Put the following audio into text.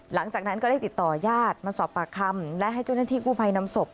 หลังจากนั้นก็ได้ติดต่อญาติมาสอบปากคำและให้เจ้าหน้าที่กู้ภัยนำศพ